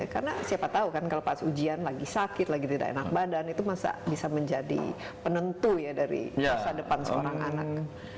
karena siapa tahu kan kalau pas ujian lagi sakit lagi tidak enak badan itu masa bisa menjadi penentu ya dari masa depan seorang anak